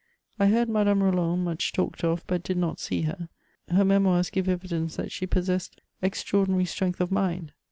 I heard Madame Roland much talked of, hut did not see her ; her memoirs give evidence that she possessed extraordinary strength of mind.